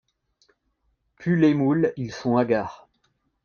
Pull et Moule Ils sont hagards.